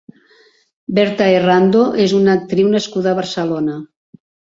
Berta Errando és una actriu nascuda a Barcelona.